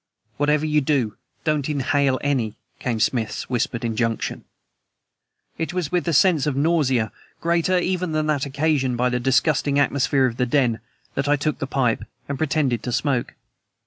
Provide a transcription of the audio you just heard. "Whatever you do, don't inhale any," came Smith's whispered injunction. It was with a sense of nausea greater even than that occasioned by the disgusting atmosphere of the den that I took the pipe and pretended to smoke.